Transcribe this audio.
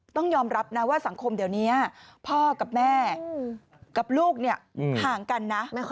ต้องยอมรับนะว่าสังคมเดี๋ยวนี้พ่อกับแม่กับลูกเนี่ยห่างกันนะ